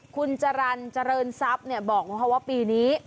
คุณจรรย์เจริญทรัพย์บอกว่าปีนี้